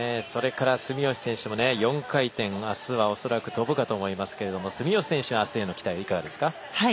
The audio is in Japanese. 住吉選手も４回転、明日は恐らく跳ぶとは思いますが住吉選手の明日への期待はいかがですか？